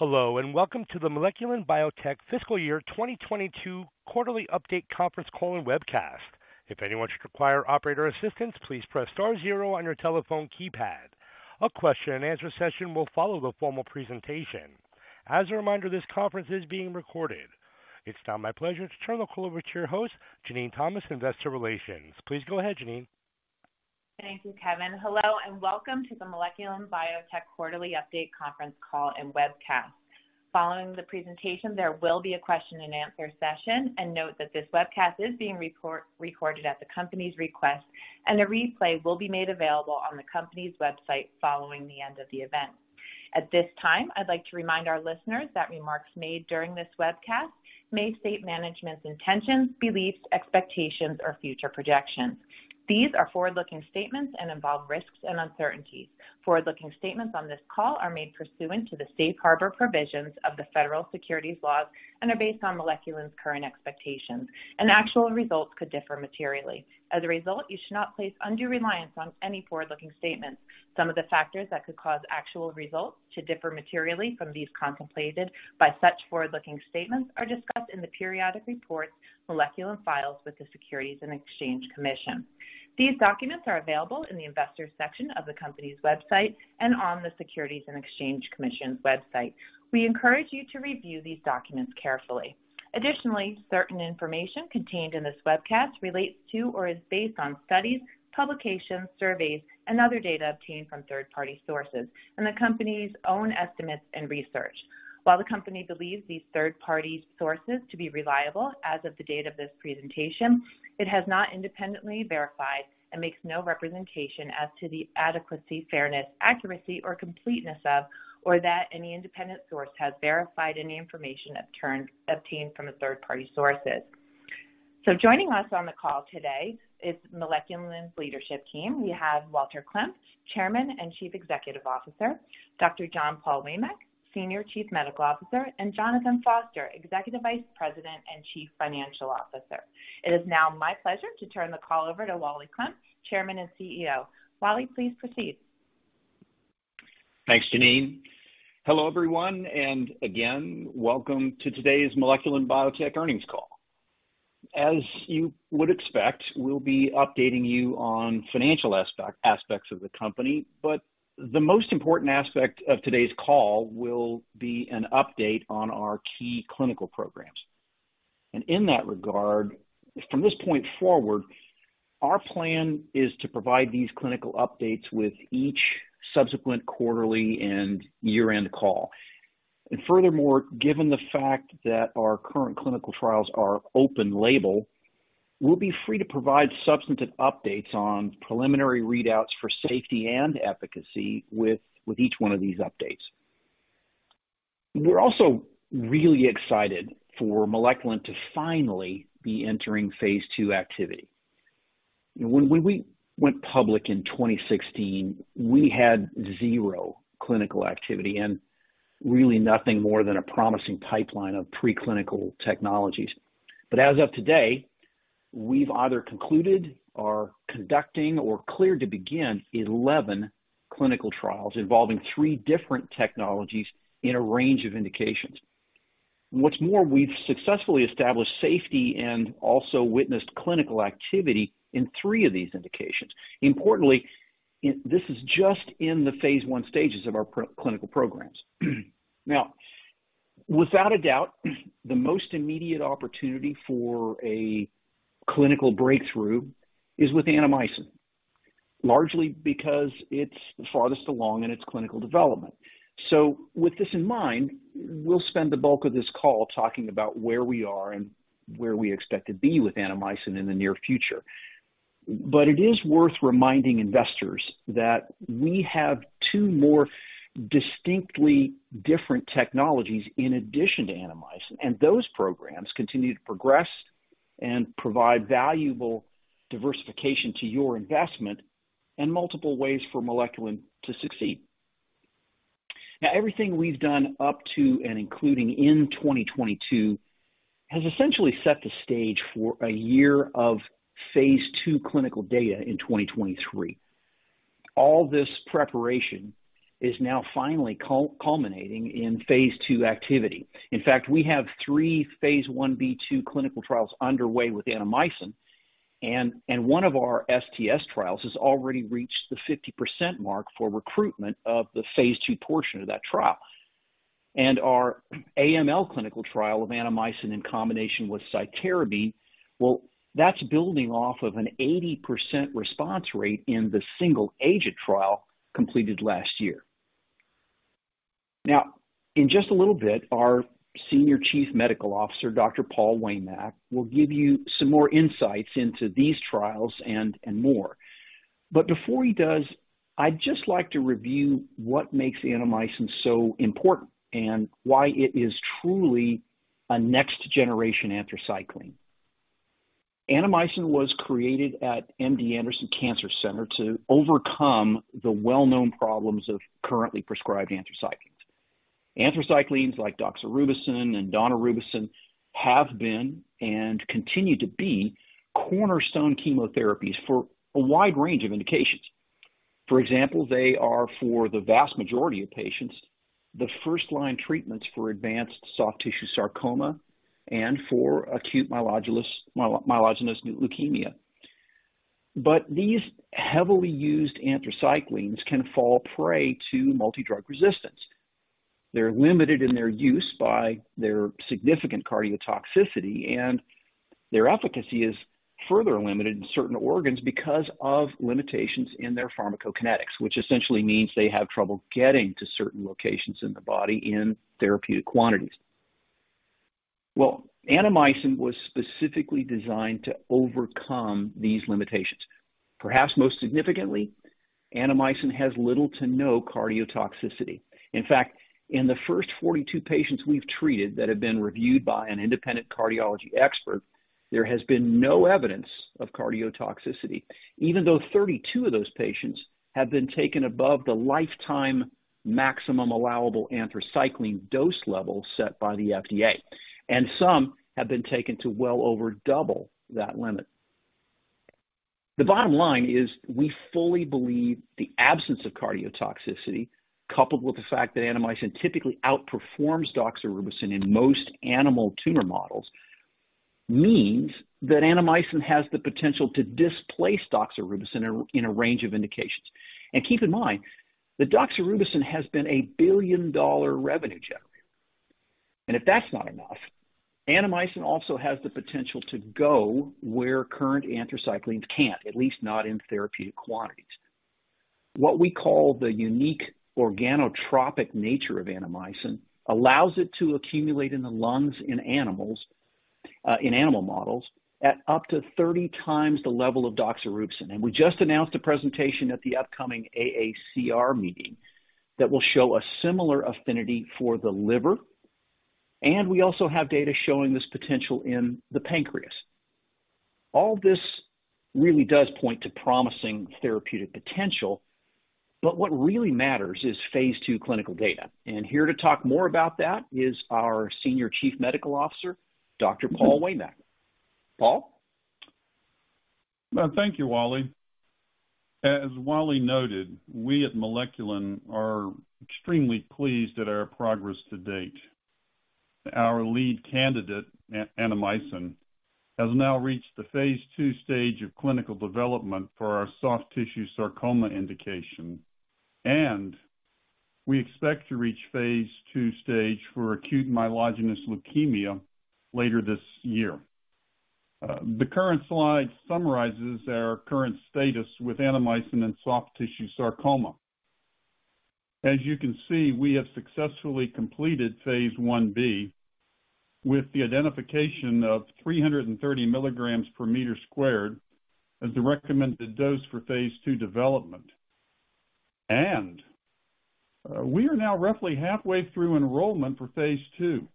Hello, welcome to the Moleculin Biotech Fiscal Year 2022 quarterly update conference call and webcast. If anyone should require operator assistance, please press star 0 on your telephone keypad. A question-and-answer session will follow the formal presentation. As a reminder, this conference is being recorded. It's now my pleasure to turn the call over to your host, Jenene Thomas, Investor Relations. Please go ahead, Jenene. Thank you, Kevin. Hello, and welcome to the Moleculin Biotech quarterly update conference call and webcast. Following the presentation, there will be a question-and-answer session. Note that this webcast is being recorded at the company's request, and a replay will be made available on the company's website following the end of the event. At this time, I'd like to remind our listeners that remarks made during this webcast may state management's intentions, beliefs, expectations, or future projections. These are forward-looking statements and involve risks and uncertainties. Forward-looking statements on this call are made pursuant to the Safe Harbor provisions of the federal securities laws and are based on Moleculin's current expectations, and actual results could differ materially. As a result, you should not place undue reliance on any forward-looking statements. Some of the factors that could cause actual results to differ materially from these contemplated by such forward-looking statements are discussed in the periodic reports Moleculin files with the Securities and Exchange Commission. These documents are available in the Investors section of the company's website and on the Securities and Exchange Commission's website. We encourage you to review these documents carefully. Additionally, certain information contained in this webcast relates to or is based on studies, publications, surveys, and other data obtained from third-party sources and the company's own estimates and research. While the company believes these third-party sources to be reliable as of the date of this presentation, it has not independently verified and makes no representation as to the adequacy, fairness, accuracy, or completeness of, or that any independent source has verified any information obtained from the third-party sources. Joining us on the call today is Moleculin's leadership team. We have Walter Klemp, Chairman and Chief Executive Officer, Dr. John Paul Waymack, Senior Chief Medical Officer, and Jonathan Foster, Executive Vice President and Chief Financial Officer. It is now my pleasure to turn the call over to Wally Klemp, Chairman and CEO. Wally, please proceed. Thanks, Jenene. Hello, everyone, welcome to today's Moleculin Biotech earnings call. As you would expect, we'll be updating you on financial aspects of the company, the most important aspect of today's call will be an update on our key clinical programs. In that regard, from this point forward, our plan is to provide these clinical updates with each subsequent quarterly and year-end call. Furthermore, given the fact that our current clinical trials are open label, we'll be free to provide substantive updates on preliminary readouts for safety and efficacy with each one of these updates. We're also really excited for Moleculin to finally be entering phase 2 activity. When we went public in 2016, we had zero clinical activity and really nothing more than a promising pipeline of pre-clinical technologies. As of today, we've either concluded or conducting or cleared to begin 11 clinical trials involving three different technologies in a range of indications. What's more, we've successfully established safety and also witnessed clinical activity in three of these indications. Importantly, this is just in the phase 1 stages of our clinical programs. Without a doubt, the most immediate opportunity for a clinical breakthrough is with Annamycin, largely because it's the farthest along in its clinical development. With this in mind, we'll spend the bulk of this call talking about where we are and where we expect to be with Annamycin in the near future. It is worth reminding investors that we have two more distinctly different technologies in addition to Annamycin, and those programs continue to progress and provide valuable diversification to your investment and multiple ways for Moleculin to succeed. Everything we've done up to and including in 2022 has essentially set the stage for a year of phase 2 clinical data in 2023. All this preparation is now finally culminating in phase 2 activity. In fact, we have 3 Phase 1b/2 clinical trials underway with Annamycin, and one of our STS trials has already reached the 50% mark for recruitment of the phase 2 portion of that trial. Our AML clinical trial of Annamycin in combination with cytarabine, well, that's building off of an 80% response rate in the single agent trial completed last year. In just a little bit, our Senior Chief Medical Officer, Dr. Paul Waymack, will give you some more insights into these trials and more. Before he does, I'd just like to review what makes Annamycin so important and why it is truly a next generation anthracycline. Annamycin was created at MD Anderson Cancer Center to overcome the well-known problems of currently prescribed anthracyclines. Anthracyclines like doxorubicin and daunorubicin have been and continue to be cornerstone chemotherapies for a wide range of indications. For example, they are for the vast majority of patients, the first-line treatments for advanced soft tissue sarcoma and for acute myelogenous leukemia. These heavily used anthracyclines can fall prey to multidrug resistance. They're limited in their use by their significant cardiotoxicity, and their efficacy is further limited in certain organs because of limitations in their pharmacokinetics, which essentially means they have trouble getting to certain locations in the body in therapeutic quantities. Well, Annamycin was specifically designed to overcome these limitations. Perhaps most significantly, Annamycin has little to no cardiotoxicity. In fact, in the first 42 patients we've treated that have been reviewed by an independent cardiology expert, there has been no evidence of cardiotoxicity, even though 32 of those patients have been taken above the lifetime maximum allowable anthracycline dose level set by the FDA, and some have been taken to well over double that limit. The bottom line is we fully believe the absence of cardiotoxicity, coupled with the fact that Annamycin typically outperforms doxorubicin in most animal tumor models, means that Annamycin has the potential to displace doxorubicin in a range of indications. Keep in mind that doxorubicin has been a billion-dollar revenue generator. If that's not enough, Annamycin also has the potential to go where current anthracyclines can't, at least not in therapeutic quantities. What we call the unique organotropic nature of Annamycin allows it to accumulate in the lungs in animals, in animal models at up to 30 times the level of doxorubicin. We just announced a presentation at the upcoming AACR meeting that will show a similar affinity for the liver. We also have data showing this potential in the pancreas. All this really does point to promising therapeutic potential, but what really matters is phase 2 clinical data. Here to talk more about that is our Senior Chief Medical Officer, Dr. Paul Waymack. Paul? Thank you, Wally. As Wally noted, we at Moleculin are extremely pleased at our progress to date. Our lead candidate, Annamycin, has now reached the phase 2 stage of clinical development for our soft tissue sarcoma indication, and we expect to reach phase 2 stage for acute myelogenous leukemia later this year. The current slide summarizes our current status with Annamycin and soft tissue sarcoma. As you can see, we have successfully completed phase 1b with the identification of 330 milligrams per meter squared as the recommended dose for phase 2 development. We are now roughly halfway through enrollment for phase 2.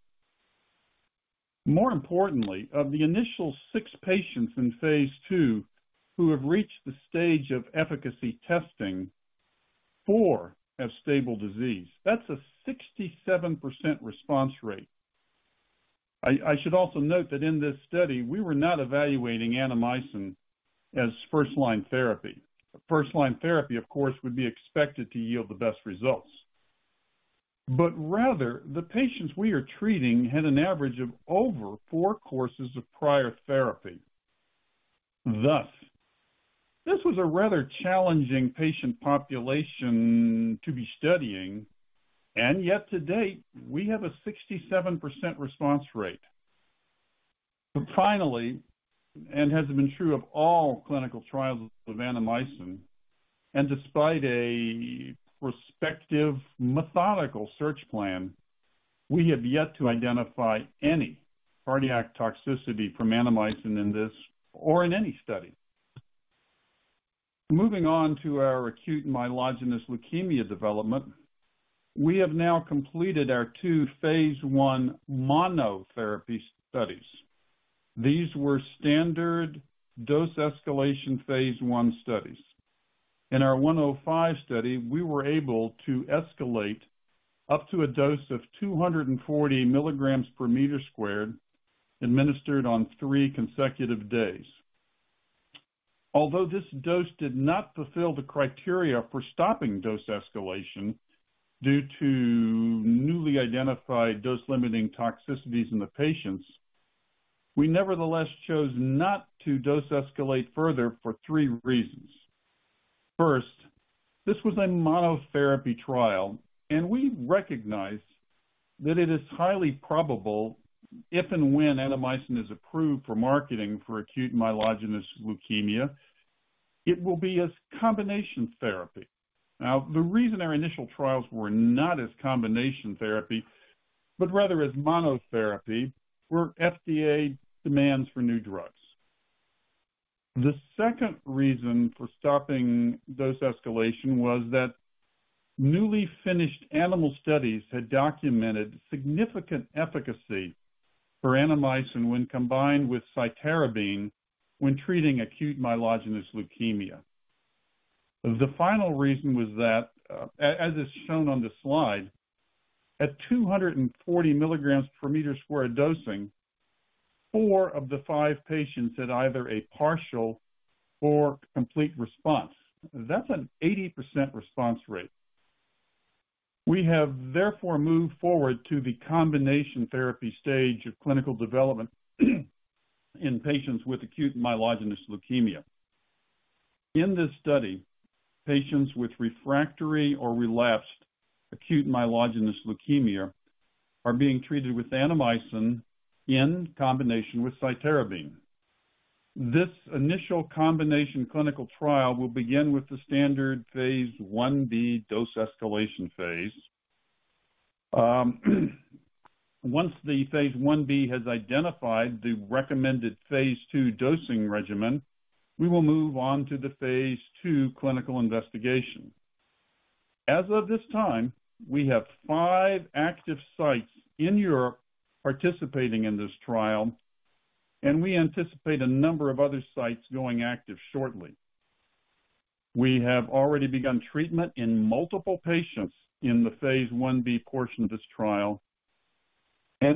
More importantly, of the initial six patients in phase 2 who have reached the stage of efficacy testing, four have stable disease. That's a 67% response rate. I should also note that in this study, we were not evaluating Annamycin as first-line therapy. First-line therapy, of course, would be expected to yield the best results. Rather, the patients we are treating had an average of over four courses of prior therapy. This was a rather challenging patient population to be studying, and yet to date, we have a 67% response rate. Finally, has it been true of all clinical trials of Annamycin, and despite a prospective methodical search plan, we have yet to identify any cardiotoxicity from Annamycin in this or in any study. Moving on to our acute myelogenous leukemia development, we have now completed our two phase 1 monotherapy studies. These were standard dose escalation phase 1 studies. In our MB-105 study, we were able to escalate up to a dose of 240 milligrams per meter squared, administered on three consecutive days. Although this dose did not fulfill the criteria for stopping dose escalation due to newly identified dose limiting toxicities in the patients, we nevertheless chose not to dose escalate further for three reasons. First, this was a monotherapy trial, and we recognize that it is highly probable if and when Annamycin is approved for marketing for acute myelogenous leukemia, it will be as combination therapy. Now, the reason our initial trials were not as combination therapy, but rather as monotherapy, were FDA demands for new drugs. The second reason for stopping dose escalation was that newly finished animal studies had documented significant efficacy for Annamycin when combined with cytarabine when treating acute myelogenous leukemia. The final reason was that, as is shown on the slide, at 240 milligrams per meter square dosing, four of the five patients had either a partial or complete response. That's an 80% response rate. We have therefore moved forward to the combination therapy stage of clinical development in patients with acute myelogenous leukemia. In this study, patients with refractory or relapsed acute myelogenous leukemia are being treated with Annamycin in combination with cytarabine. This initial combination clinical trial will begin with the standard phase 1b dose escalation phase. Once the phase 1b has identified the recommended phase 2 dosing regimen, we will move on to the phase 2 clinical investigation. As of this time, we have five active sites in Europe participating in this trial, and we anticipate a number of other sites going active shortly. We have already begun treatment in multiple patients in the phase 1b portion of this trial,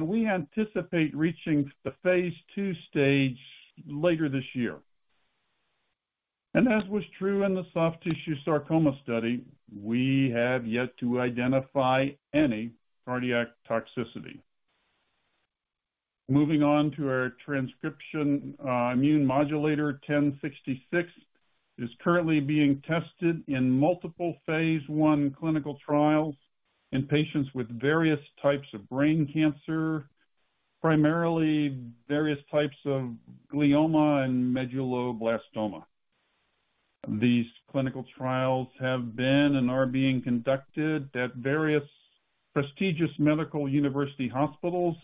we anticipate reaching the phase 2 stage later this year. As was true in the soft tissue sarcoma study, we have yet to identify any cardiotoxicity. Moving on to our Transcription Immune Modulator WP1066 is currently being tested in multiple phase 1 clinical trials in patients with various types of brain cancer, primarily various types of glioma and medulloblastoma. These clinical trials have been and are being conducted at various prestigious medical university hospitals,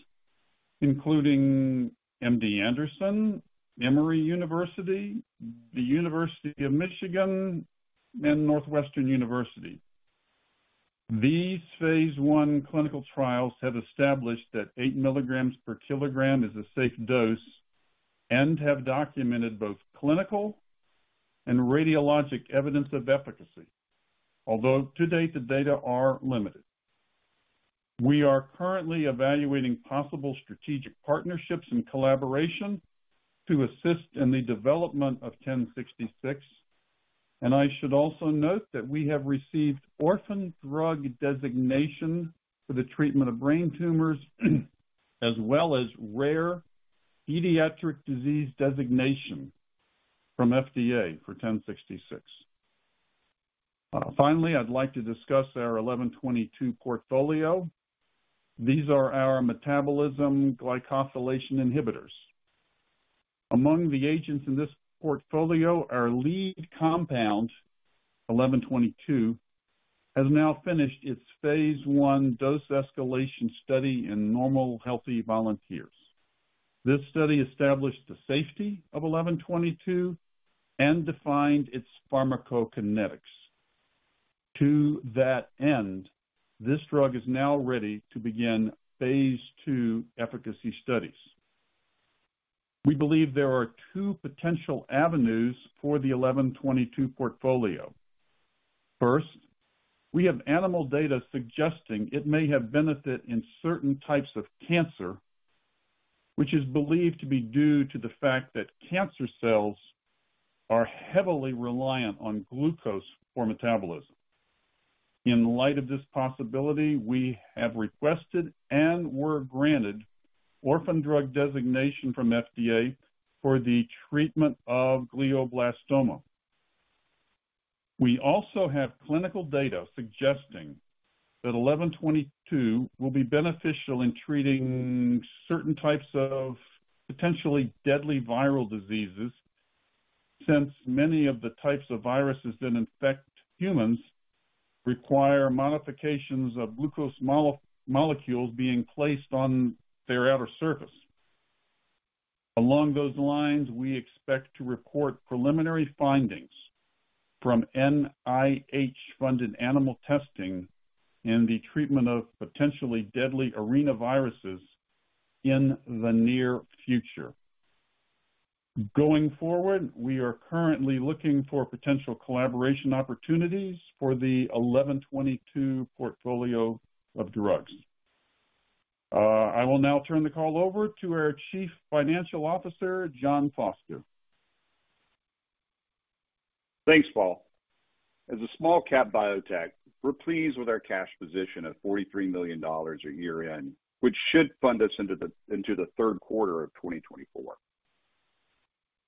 including MD Anderson, Emory University, the University of Michigan, and Northwestern University. These phase 1 clinical trials have established that 8 milligrams per kilogram is a safe dose and have documented both clinical and radiologic evidence of efficacy, although to date, the data are limited. We are currently evaluating possible strategic partnerships and collaboration to assist in the development of WP1066. I should also note that we have received orphan drug designation for the treatment of brain tumors as well as rare pediatric disease designation from FDA for WP1066. Finally, I'd like to discuss our WP1122 portfolio. These are our Metabolism/Glycosylation Inhibitors. Among the agents in this portfolio, our lead compound, WP1122, has now finished its phase 1 dose escalation study in normal, healthy volunteers. This study established the safety of WP1122 and defined its pharmacokinetics. To that end, this drug is now ready to begin phase 2 efficacy studies. We believe there are two potential avenues for the WP1122 portfolio. We have animal data suggesting it may have benefit in certain types of cancer, which is believed to be due to the fact that cancer cells are heavily reliant on glucose for metabolism. In light of this possibility, we have requested and were granted orphan drug designation from FDA for the treatment of glioblastoma. We also have clinical data suggesting that WP1122 will be beneficial in treating certain types of potentially deadly viral diseases since many of the types of viruses that infect humans require modifications of glucose molecules being placed on their outer surface. We expect to report preliminary findings from NIH-funded animal testing in the treatment of potentially deadly arenaviruses in the near future. We are currently looking for potential collaboration opportunities for the WP1122 portfolio of drugs. I will now turn the call over to our Chief Financial Officer, John Foster. Thanks, Paul. As a small cap biotech, we're pleased with our cash position of $43 million at year-end, which should fund us into the third quarter of 2024.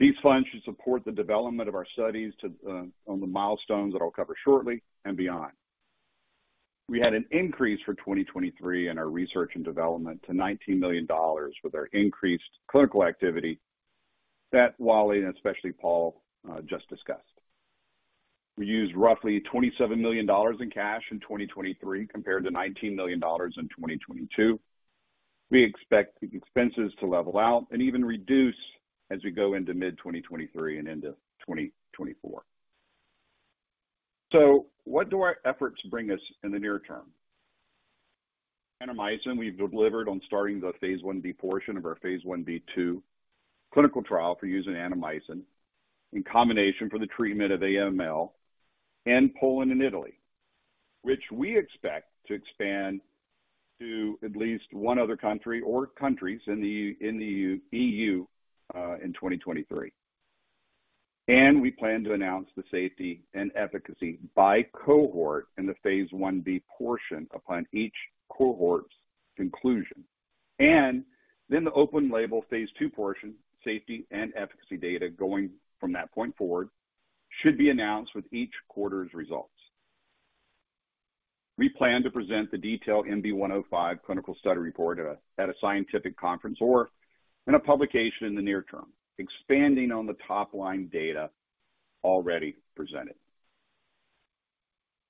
These funds should support the development of our studies on the milestones that I'll cover shortly and beyond. We had an increase for 2023 in our research and development to $19 million with our increased clinical activity that Wally and especially Paul just discussed. We used roughly $27 million in cash in 2023 compared to $19 million in 2022. We expect the expenses to level out and even reduce as we go into mid-2023 and into 2024. What do our efforts bring us in the near term? Annamycin, we've delivered on starting the phase 1b portion of our phase 1b/2 clinical trial for using Annamycin in combination for the treatment of AML in Poland and Italy. Which we expect to expand to at least one other country or countries in the EU in 2023. We plan to announce the safety and efficacy by cohort in the phase 1b portion upon each cohort's conclusion. The open label phase 2 portion, safety and efficacy data going from that point forward should be announced with each quarter's results. We plan to present the detailed MB-105 clinical study report at a scientific conference or in a publication in the near term, expanding on the top line data already presented.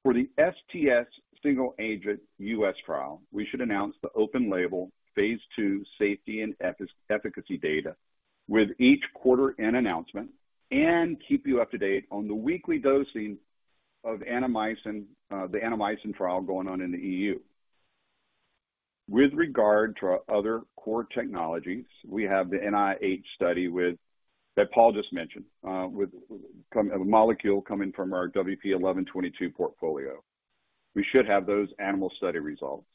For the STS single agent U.S. trial, we should announce the open label phase 2 safety and efficacy data with each quarter end announcement and keep you up to date on the weekly dosing of Annamycin, the Annamycin trial going on in the E.U. With regard to our other core technologies, we have the NIH study that Paul Waymack just mentioned, from a molecule coming from our WP1122 portfolio. We should have those animal study results.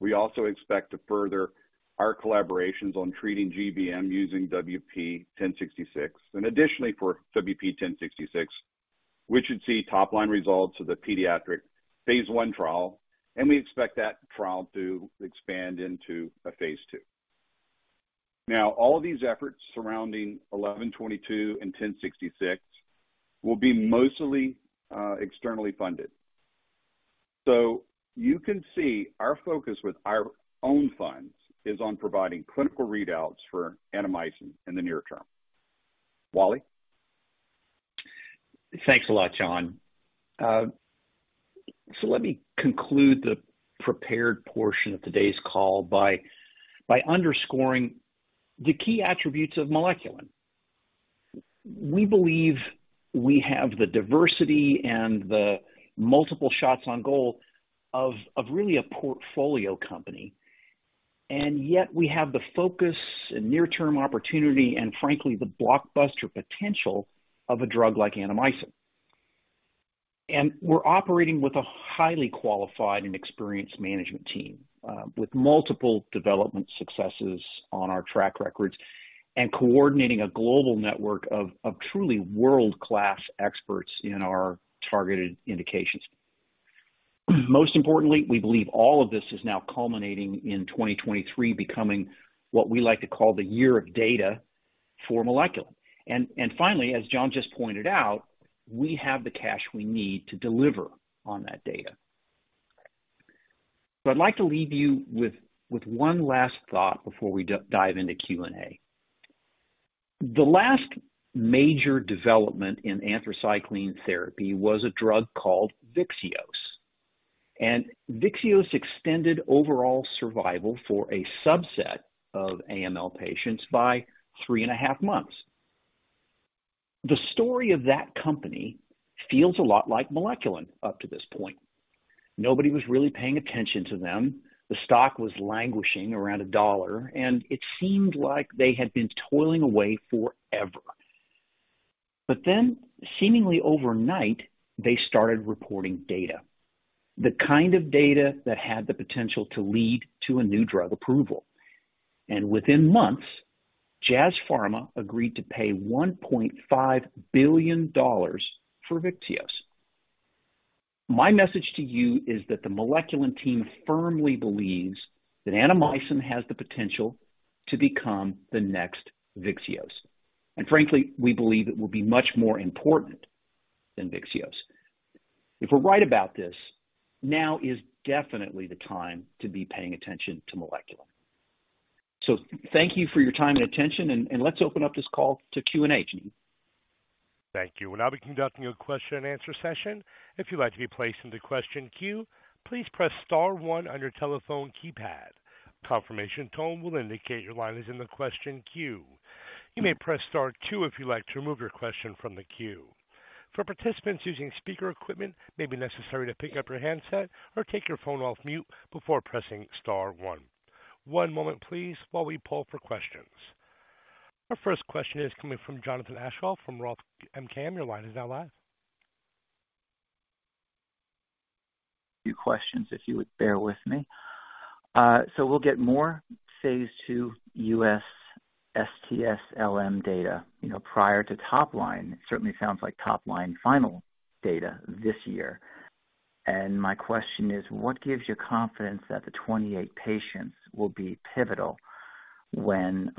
We also expect to further our collaborations on treating GBM using WP1066. Additionally for WP1066, we should see top line results of the pediatric phase 1 trial, and we expect that trial to expand into a phase 2. Now all of these efforts surrounding 1122 and 1066 will be mostly externally funded. You can see our focus with our own funds is on providing clinical readouts for Annamycin in the near term. Wally? Thanks a lot, John. Let me conclude the prepared portion of today's call by underscoring the key attributes of Moleculin. We believe we have the diversity and the multiple shots on goal of really a portfolio company, and yet we have the focus and near-term opportunity and frankly, the blockbuster potential of a drug like Annamycin. We're operating with a highly qualified and experienced management team, with multiple development successes on our track records and coordinating a global network of truly world-class experts in our targeted indications. Most importantly, we believe all of this is now culminating in 2023 becoming what we like to call the year of data for Moleculin. Finally, as John just pointed out, we have the cash we need to deliver on that data. I'd like to leave you with one last thought before we dive into Q&A. The last major development in anthracycline therapy was a drug called VYXEOS, and VYXEOS extended overall survival for a subset of AML patients by three and a half months. The story of that company feels a lot like Moleculin up to this point. Nobody was really paying attention to them. The stock was languishing around $1, and it seemed like they had been toiling away forever. Seemingly overnight, they started reporting data, the kind of data that had the potential to lead to a new drug approval. Within months, Jazz Pharmaceuticals agreed to pay $1.5 billion for VYXEOS. My message to you is that the Moleculin team firmly believes that Annamycin has the potential to become the next VYXEOS. Frankly, we believe it will be much more important than VYXEOS. If we're right about this, now is definitely the time to be paying attention to Moleculin. Thank you for your time and attention and let's open up this call to Q&A. Thank you. We'll now be conducting a question-and-answer session. If you'd like to be placed into question queue, please press star one on your telephone keypad. Confirmation tone will indicate your line is in the question queue. You may press star two if you'd like to remove your question from the queue. For participants using speaker equipment, it may be necessary to pick up your handset or take your phone off mute before pressing star one. One moment please while we poll for questions. Our first question is coming from Jonathan Aschoff from Roth MKM. Your line is now live. Few questions, if you would bear with me. We'll get more phase 2 U.S. STS LM data, you know, prior to top line. It certainly sounds like top line final data this year. My question is, what gives you confidence that the 28 patients will be pivotal when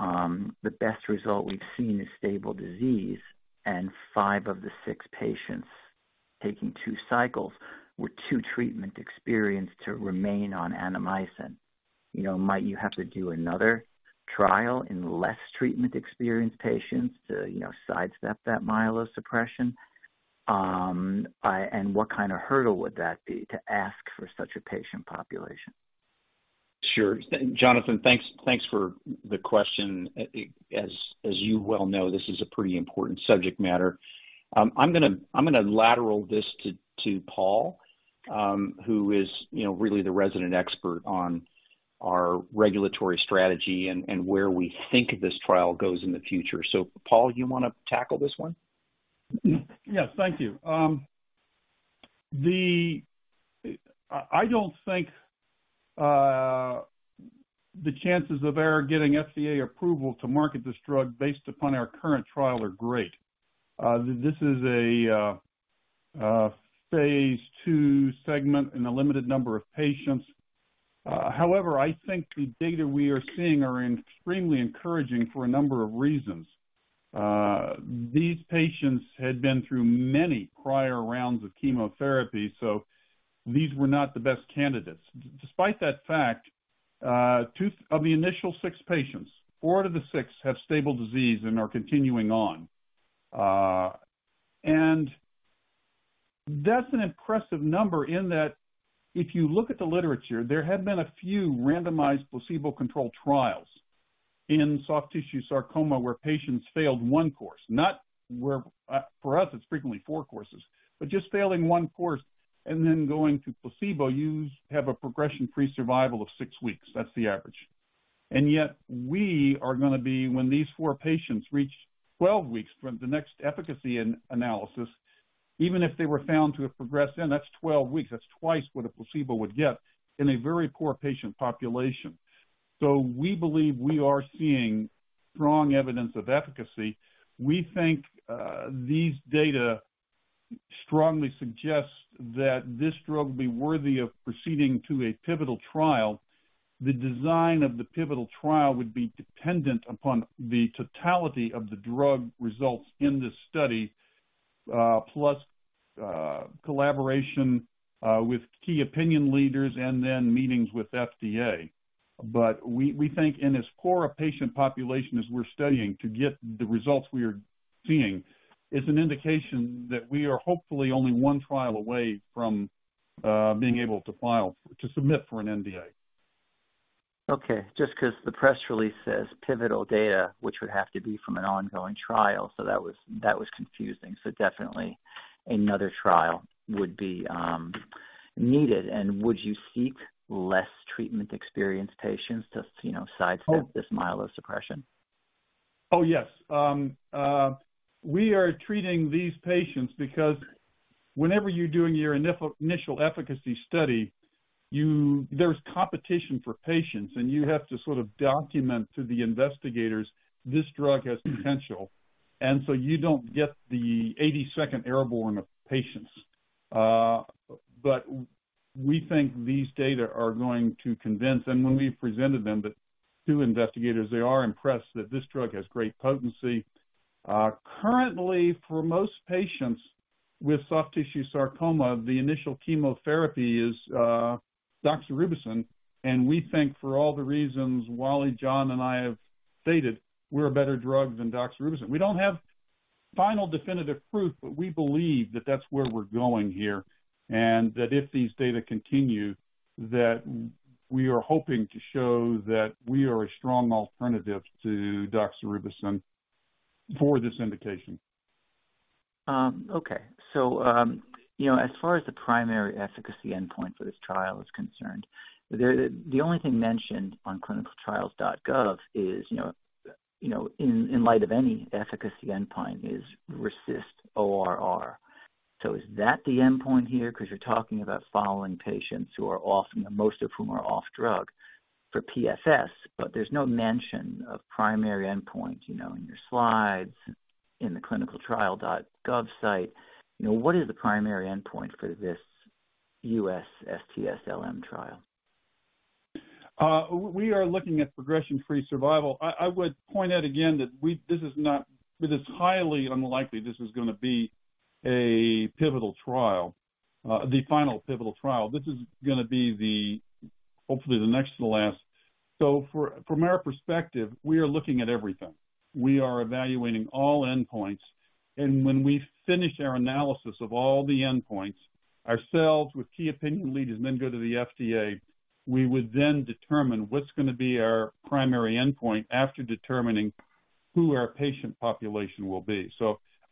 the best result we've seen is stable disease and five of the six patients taking two cycles were too treatment experienced to remain on Annamycin? You know, might you have to do another trial in less treatment experienced patients to, you know, sidestep that myelosuppression? What kind of hurdle would that be to ask for such a patient population? Sure. Jonathan, thanks for the question. As you well know, this is a pretty important subject matter. I'm gonna lateral this to Paul, who is, you know, really the resident expert on. Our regulatory strategy and where we think this trial goes in the future. Paul, you wanna tackle this one? Yes, thank you. I don't think the chances of our getting FDA approval to market this drug based upon our current trial are great. This is a phase 2 segment in a limited number of patients. However, I think the data we are seeing are extremely encouraging for a number of reasons. These patients had been through many prior rounds of chemotherapy, so these were not the best candidates. Despite that fact, two of the initial six patients, four out of the six have stable disease and are continuing on. That's an impressive number in that if you look at the literature, there have been a few randomized placebo-controlled trials in soft tissue sarcoma where patients failed one course. Not where, for us, it's frequently four courses, but just failing onr course and then going to placebo, you have a progression-free survival of six weeks. That's the average. Yet, we are gonna be, when these four patients reach 12 weeks from the next efficacy analysis, even if they were found to have progressed then, that's 12 weeks. That's twice what a placebo would get in a very poor patient population. We believe we are seeing strong evidence of efficacy. We think, these data strongly suggest that this drug will be worthy of proceeding to a pivotal trial. The design of the pivotal trial would be dependent upon the totality of the drug results in this study, plus, collaboration, with key opinion leaders and then meetings with FDA. We think in as poor a patient population as we're studying, to get the results we are seeing is an indication that we are hopefully only one trial away from being able to submit for an NDA. Okay, just 'cause the press release says pivotal data, which would have to be from an ongoing trial, so that was, that was confusing. Definitely another trial would be needed. Would you seek less treatment-experienced patients to, you know, sidestep this myelosuppression? Yes. We are treating these patients because whenever you're doing your initial efficacy study, there's competition for patients, and you have to sort of document to the investigators this drug has potential. You don't get the 82nd airborne of patients. We think these data are going to convince, and when we presented them to two investigators, they are impressed that this drug has great potency. Currently, for most patients with soft tissue sarcoma, the initial chemotherapy is doxorubicin. We think for all the reasons Wally, John, and I have stated, we're a better drug than doxorubicin. We don't have final definitive proof, we believe that that's where we're going here. If these data continue, we are hoping to show that we are a strong alternative to doxorubicin for this indication. Okay. you know, as far as the primary efficacy endpoint for this trial is concerned, the only thing mentioned on ClinicalTrials.gov is, you know, in light of any efficacy endpoint is RECIST ORR. Is that the endpoint here? 'Cause you're talking about following patients who are off, most of whom are off drug for PFS, but there's no mention of primary endpoint, you know, in your slides, in the ClinicalTrials.gov site. You know, what is the primary endpoint for this US STS LM trial? We are looking at progression-free survival. I would point out again that it is highly unlikely this is gonna be a pivotal trial, the final pivotal trial. From our perspective, we are looking at everything. We are evaluating all endpoints. When we finish our analysis of all the endpoints ourselves with key opinion leaders, and then go to the FDA, we would then determine what's gonna be our primary endpoint after determining who our patient population will be.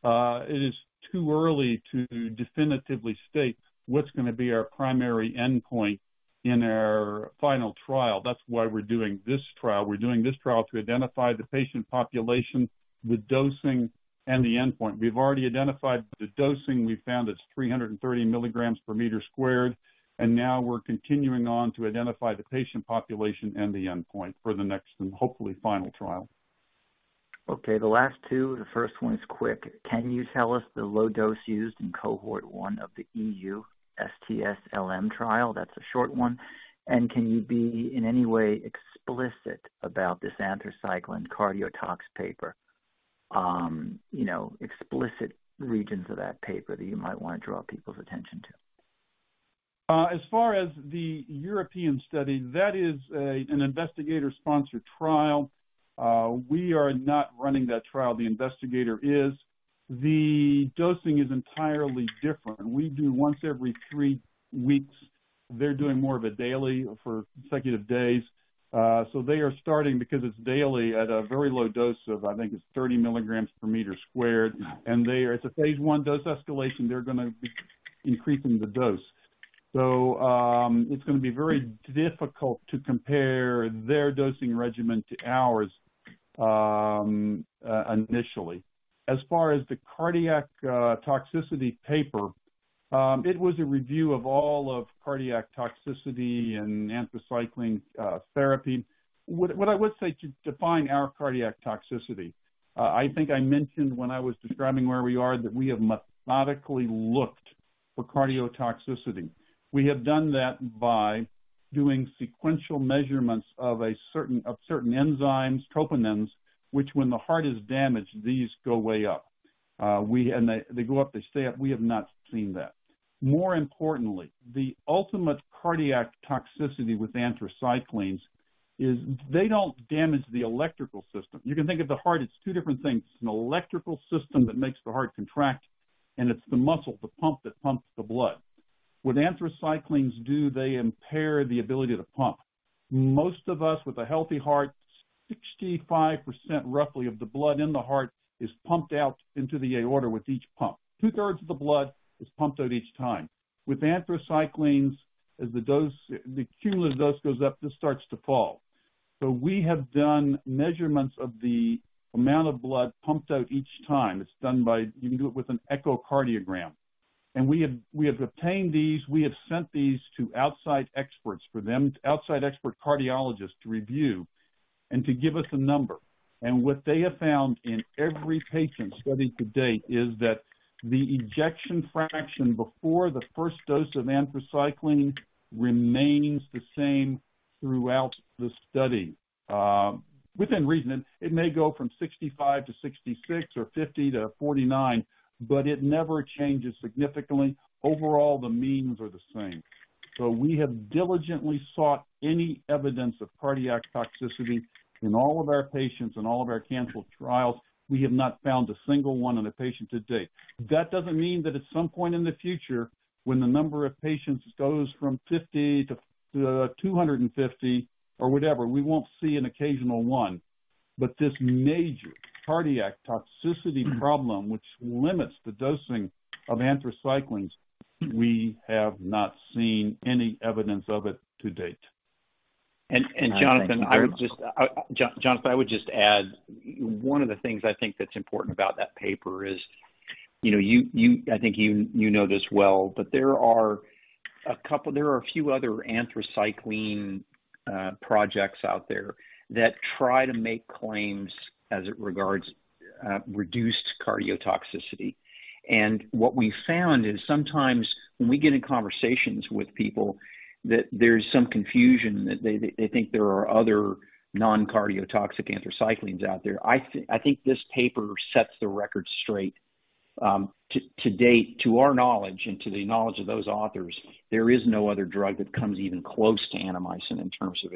It is too early to definitively state what's gonna be our primary endpoint in our final trial. That's why we're doing this trial. We're doing this trial to identify the patient population, the dosing, and the endpoint. We've already identified the dosing. We found it's 330 milligrams per meter squared. Now we're continuing on to identify the patient population and the endpoint for the next and hopefully final trial. Okay, the last two. The first one is quick. Can you tell us the low dose used in cohort one of the EU STS LM trial? That's a short one. Can you be, in any way, explicit about this anthracycline cardiotox paper? You know, explicit regions of that paper that you might wanna draw people's attention to. As far as the European study, that is an investigator-sponsored trial. We are not running that trial. The investigator is. The dosing is entirely different. We do once every three weeks. They're doing more of a daily for consecutive days. They are starting, because it's daily, at a very low dose of, I think it's 30 milligrams per meter squared. It's a Phase 1 dose escalation. They're gonna be increasing the dose. It's gonna be very difficult to compare their dosing regimen to ours initially. As far as the cardiac toxicity paper, it was a review of all of cardiac toxicity and anthracycline therapy. What I would say to define our cardiac toxicity, I think I mentioned when I was describing where we are that we have methodically looked for cardiotoxicity. We have done that by doing sequential measurements of certain enzymes, troponins, which when the heart is damaged, these go way up. They go up, they stay up. We have not seen that. More importantly, the ultimate cardiac toxicity with anthracyclines is they don't damage the electrical system. You can think of the heart as two different things. It's an electrical system that makes the heart contract, it's the muscle, the pump that pumps the blood. What anthracyclines do, they impair the ability to pump. Most of us with a healthy heart, 65% roughly of the blood in the heart is pumped out into the aorta with each pump. 2/3 of the blood is pumped out each time. With anthracyclines, as the dose, the cumulative dose goes up, this starts to fall. We have done measurements of the amount of blood pumped out each time. It's done by, you can do it with an echocardiogram. We have obtained these, we have sent these to outside experts for them, outside expert cardiologists to review and to give us a number. What they have found in every patient study to date is that the ejection fraction before the first dose of anthracycline remains the same throughout the study, within reason. It may go from 65 to 66 or 50 to 49, but it never changes significantly. Overall, the means are the same. We have diligently sought any evidence of cardiotoxicity in all of our patients, in all of our canceled trials. We have not found a single one in a patient to date. That doesn't mean that at some point in the future, when the number of patients goes from 50 to 250 or whatever, we won't see an occasional one. This major cardiotoxicity problem which limits the dosing of anthracyclines, we have not seen any evidence of it to date. Jonathan, I would just add, one of the things I think that's important about that paper is, you know, I think you know this well, but there are a couple, there are a few other anthracycline projects out there that try to make claims as it regards reduced cardiotoxicity. What we found is sometimes when we get in conversations with people that there's some confusion, that they think there are other non-cardiotoxic anthracyclines out there. I think this paper sets the record straight. To date, to our knowledge and to the knowledge of those authors, there is no other drug that comes even close to Annamycin in terms of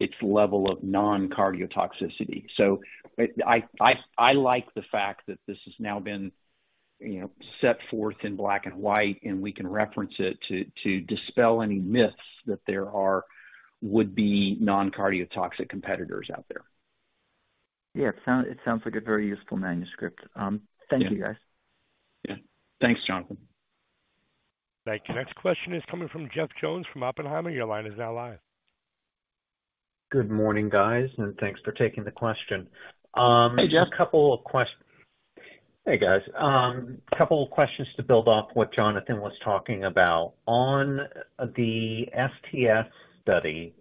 its level of non-cardiotoxicity. I like the fact that this has now been, you know, set forth in black and white, and we can reference it to dispel any myths that there are would be non-cardiotoxic competitors out there. Yeah. It sounds like a very useful manuscript. Thank you, guys. Yeah. Thanks, Jonathan. Thank you. Next question is coming from Jeff Jones from Oppenheimer. Your line is now live. Good morning, guys. Thanks for taking the question. Hey, Jeff. Hey, guys. Couple of questions to build off what Jonathan was talking about. On the STS study,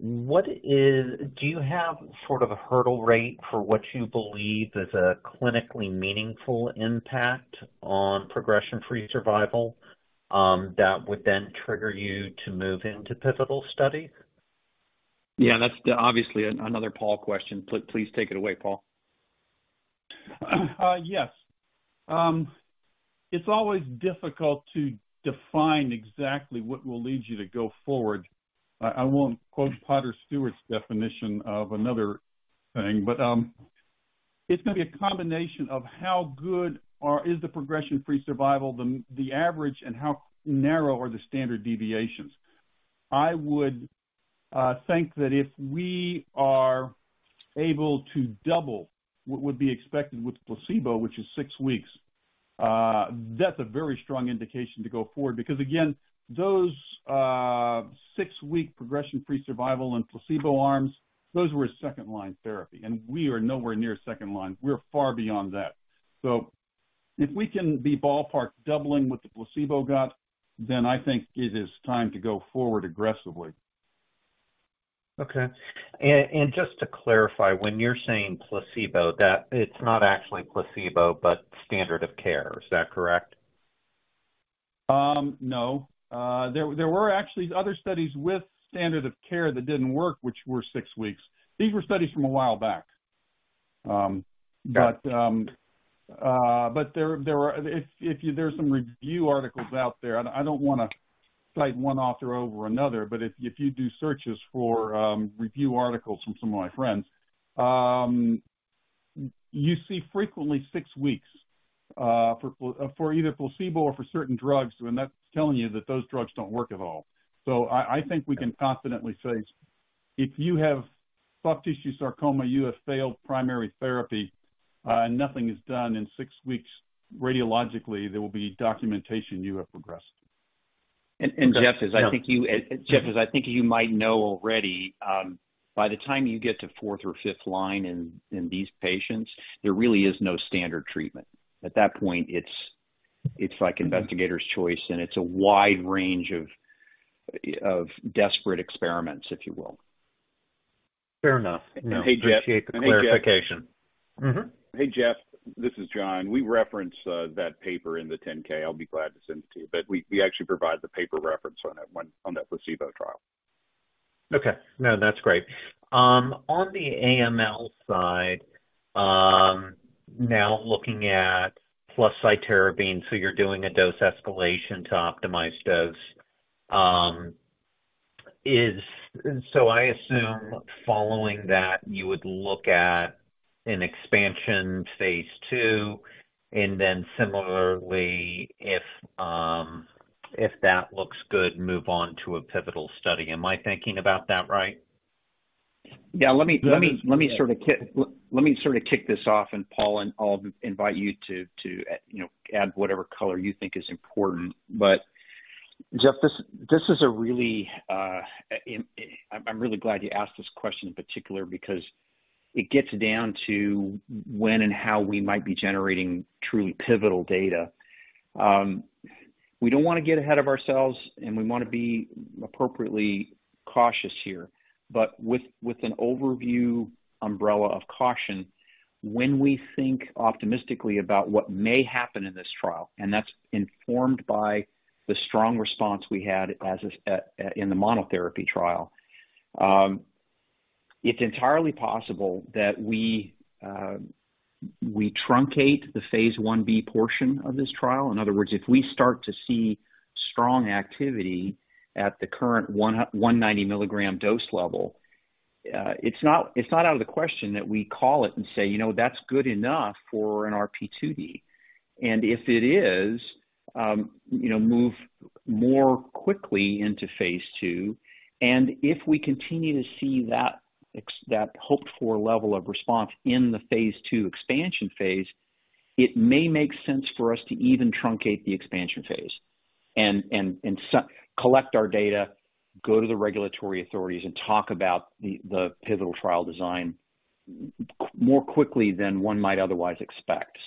do you have sort of a hurdle rate for what you believe is a clinically meaningful impact on progression-free survival that would then trigger you to move into pivotal study? Yeah, that's obviously another Paul question. Please take it away, Paul. It's always difficult to define exactly what will lead you to go forward. I won't quote Potter Stewart's definition of another thing, but it's gonna be a combination of how good is the progression-free survival than the average and how narrow are the standard deviations. I would think that if we are able to double what would be expected with placebo, which is six weeks, that's a very strong indication to go forward. Again, those 6-week progression-free survival and placebo arms, those were second-line therapy, and we are nowhere near second line. We're far beyond that. If we can be ballpark doubling what the placebo got, I think it is time to go forward aggressively. Okay. Just to clarify, when you're saying placebo, that it's not actually placebo, but standard of care. Is that correct? No. There were actually other studies with standard of care that didn't work, which were six weeks. These were studies from a while back. Got it. There are. If you there's some review articles out there. I don't wanna cite one author over another, but if you do searches for review articles from some of my friends, you see frequently six weeks for either placebo or for certain drugs, and that's telling you that those drugs don't work at all. I think we can confidently say six. If you have soft tissue sarcoma, you have failed primary therapy, and nothing is done in six weeks, radiologically, there will be documentation you have progressed. Jeff, as I think you might know already, by the time you get to fourth or fifth line in these patients, there really is no standard treatment. At that point, it's like investigator's choice, and it's a wide range of desperate experiments, if you will. Fair enough. Hey, Jeff. Appreciate the clarification. Hey, Jeff, this is John. We referenced that paper in the 10-K. I'll be glad to send it to you, but we actually provide the paper reference on it on that placebo trial. Okay. No, that's great. On the AML side, now looking at plus cytarabine, so you're doing a dose escalation to optimize dose. I assume following that, you would look at an expansion phase 2, and then similarly, if that looks good, move on to a pivotal study. Am I thinking about that right? Let me sort of kick this off, and Paul Waymack, and I'll invite you to, you know, add whatever color you think is important. Jeff Jones, this is a really, I'm really glad you asked this question in particular because it gets down to when and how we might be generating truly pivotal data. We don't wanna get ahead of ourselves, and we wanna be appropriately cautious here. With an overview umbrella of caution, when we think optimistically about what may happen in this trial, and that's informed by the strong response we had in the monotherapy trial, it's entirely possible that we truncate the Phase 1b portion of this trial. In other words, if we start to see strong activity at the current 190 milligram dose level, it's not, it's not out of the question that we call it and say, "You know, that's good enough for an RP2D." If it is, you know, move more quickly into phase two, and if we continue to see that hoped-for level of response in the phase two expansion phase, it may make sense for us to even truncate the expansion phase and collect our data, go to the regulatory authorities and talk about the pivotal trial design more quickly than one might otherwise expect.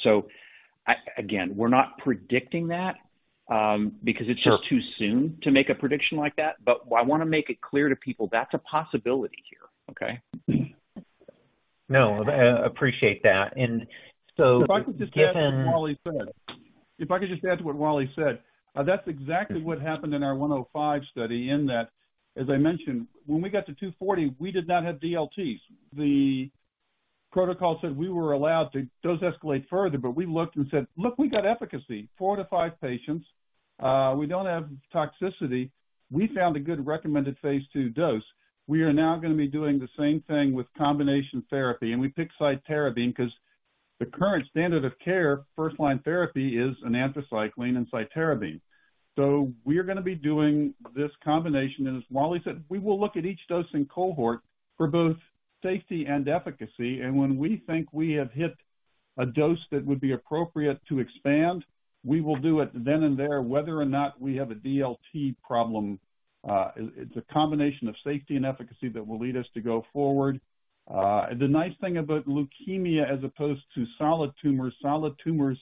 Again, we're not predicting that. Sure. It's just too soon to make a prediction like that. I wanna make it clear to people that's a possibility here. Okay? No, appreciate that. If I could just add to what Wally said, that's exactly what happened in our MB-105 study in that, as I mentioned, when we got to 240, we did not have DLTs. The protocol said we were allowed to dose escalate further, but we looked and said, "Look, we got efficacy, four to five patients. We don't have toxicity. We found a good recommended phase 2 dose." We are now gonna be doing the same thing with combination therapy, and we picked cytarabine 'cause the current standard of care, first-line therapy is an anthracycline and cytarabine. We're gonna be doing this combination, and as Wally said, we will look at each dosing cohort for both safety and efficacy. When we think we have hit a dose that would be appropriate to expand, we will do it then and there, whether or not we have a DLT problem. It's a combination of safety and efficacy that will lead us to go forward. The nice thing about leukemia as opposed to solid tumors, solid tumors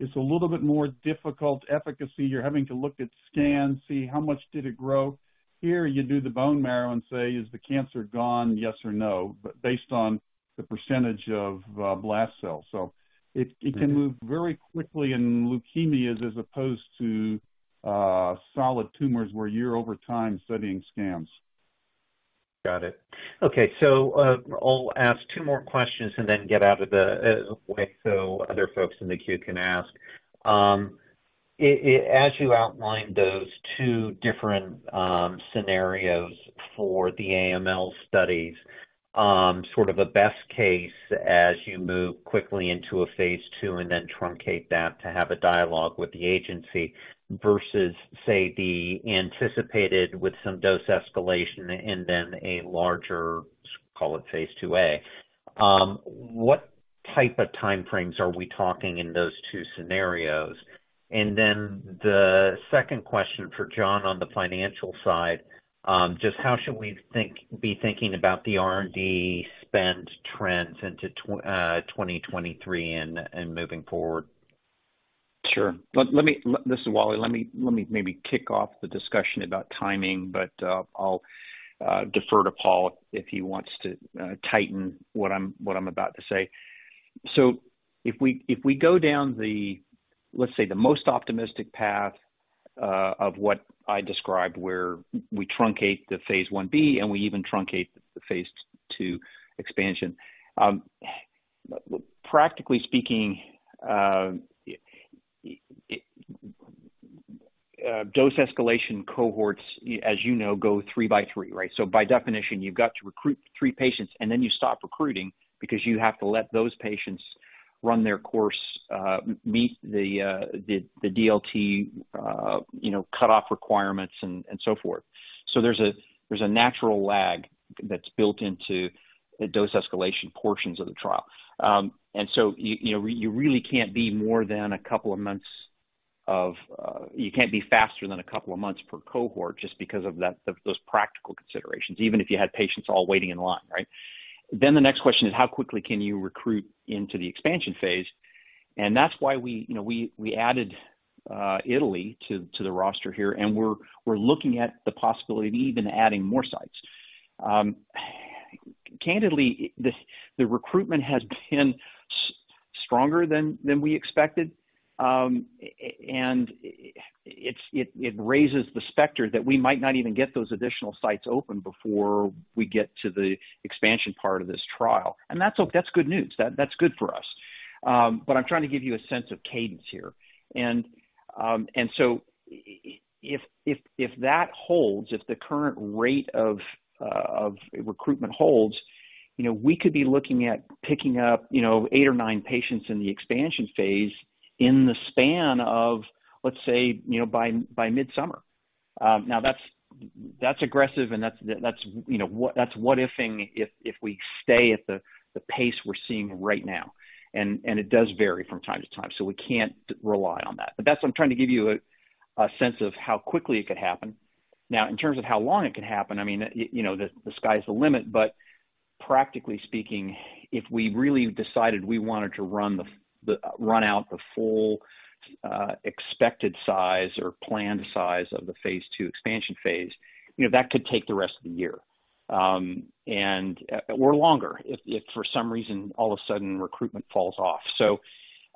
is a little bit more difficult efficacy. You're having to look at scans, see how much did it grow. Here you do the bone marrow and say, "Is the cancer gone, yes or no?" Based on the percentage of blast cells. It can move very quickly in leukemias as opposed to solid tumors, where you're over time studying scans. Got it. Okay. I'll ask 2 more questions and then get out of the way so other folks in the queue can ask. As you outlined those two different scenarios for the AML studies, sort of a best case as you move quickly into a phase 2 and then truncate that to have a dialogue with the agency versus, say, the anticipated with some dose escalation and then a larger, call it phase 2A. What type of time frames are we talking in those two scenarios? The second question for John on the financial side, just how should we be thinking about the R&D spend trends into 2023 and moving forward? Sure. Let me. This is Wally. Let me maybe kick off the discussion about timing. I'll defer to Paul if he wants to tighten what I'm about to say. If we go down the, let's say, the most optimistic path of what I described, where we truncate the phase 1b and we even truncate the phase 2 expansion. Practically speaking, dose escalation cohorts, as you know, go three by three, right? By definition, you've got to recruit three patients, then you stop recruiting because you have to let those patients run their course, meet the DLT, you know, cutoff requirements and so forth. There's a natural lag that's built into the dose escalation portions of the trial. You, you know, you really can't be more than a couple of months of, you can't be faster than a couple of months per cohort just because of that, of those practical considerations, even if you had patients all waiting in line, right? The next question is how quickly can you recruit into the expansion phase? That's why we, you know, we added Italy to the roster here, and we're looking at the possibility of even adding more sites. Candidly, the recruitment has been stronger than we expected. It raises the specter that we might not even get those additional sites open before we get to the expansion part of this trial. That's good news. That's good for us. But I'm trying to give you a sense of cadence here. If that holds, if the current rate of recruitment holds, you know, we could be looking at picking up, you know, eight or nine patients in the expansion phase in the span of, let's say, you know, by mid-summer. Now that's aggressive and that's, you know, That's what if-ing if we stay at the pace we're seeing right now, and it does vary from time to time, so we can't rely on that. That's what I'm trying to give you a sense of how quickly it could happen. In terms of how long it could happen, I mean, you know, the sky's the limit. Practically speaking, if we really decided we wanted to run out the full expected size or planned size of the phase 2 expansion phase, you know, that could take the rest of the year. Or longer if for some reason all of a sudden recruitment falls off.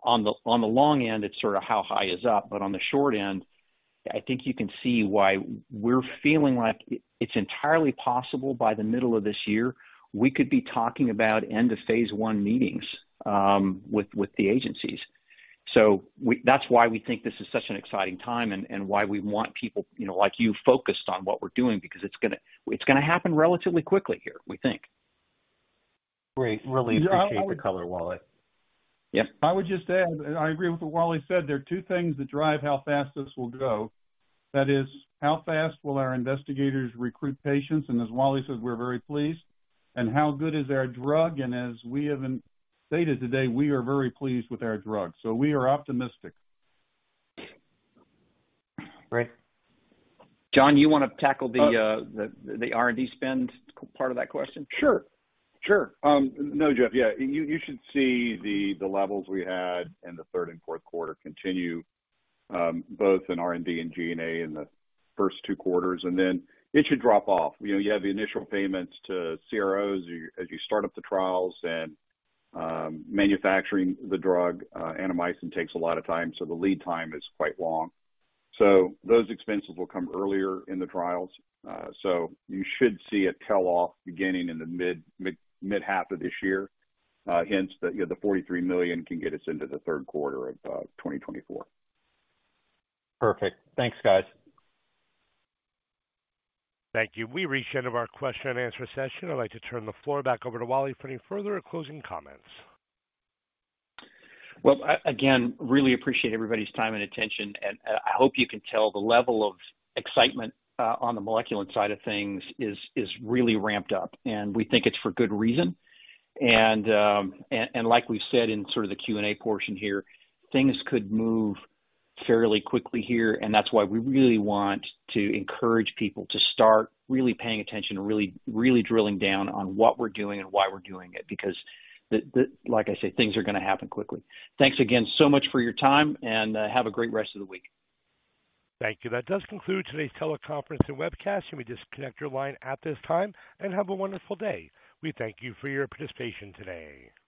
On the long end, it's sort of how high is up, but on the short end, I think you can see why we're feeling like it's entirely possible by the middle of this year, we could be talking about end of phase 1 meetings with the agencies. That's why we think this is such an exciting time and why we want people, you know, like you focused on what we're doing because it's gonna happen relatively quickly here, we think. Great. Really appreciate the color, Wally. Yep. I would just add, I agree with what Wally said. There are two things that drive how fast this will go. That is, how fast will our investigators recruit patients, and as Wally says, we're very pleased. How good is our drug, and as we have stated today, we are very pleased with our drug. We are optimistic. Great. John, you wanna tackle the R&D spend part of that question? Sure. Sure. no, Jeff. Yeah. You should see the levels we had in the third and fourth quarter continue, both in R&D and G&A in the first two quarters, and then it should drop off. You know, you have the initial payments to CROs as you start up the trials and manufacturing the drug. Annamycin takes a lot of time, so the lead time is quite long. Those expenses will come earlier in the trials. You should see a tail off beginning in the mid-half of this year. hence the, you know, the $43 million can get us into the third quarter of 2024. Perfect. Thanks, guys. Thank you. We've reached the end of our question-and-answer session. I'd like to turn the floor back over to Wally for any further closing comments. Well, again, really appreciate everybody's time and attention, and I hope you can tell the level of excitement on the Moleculin side of things is really ramped up, and we think it's for good reason. Like we've said in sort of the Q&A portion here, things could move fairly quickly here, and that's why we really want to encourage people to start really paying attention and really, really drilling down on what we're doing and why we're doing it. Like I said, things are gonna happen quickly. Thanks again so much for your time and have a great rest of the week. Thank you. That does conclude today's teleconference and webcast. You may disconnect your line at this time and have a wonderful day. We thank you for your participation today.